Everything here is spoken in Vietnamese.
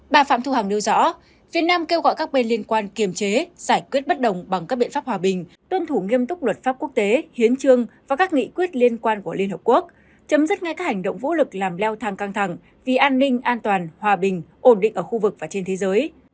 bà phạm thu hằng nêu rõ việt nam kêu gọi các bên liên quan kiềm chế giải quyết bất đồng bằng các biện pháp hòa bình tuân thủ nghiêm túc luật pháp quốc tế hiến trương và các nghị quyết liên quan của liên hợp quốc chấm dứt ngay các hành động vũ lực làm leo thang căng thẳng vì an ninh an toàn hòa bình ổn định ở khu vực và trên thế giới